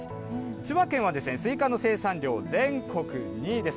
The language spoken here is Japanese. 千葉県はスイカの生産量、全国２位です。